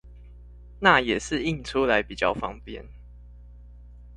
那也是印出來比較方便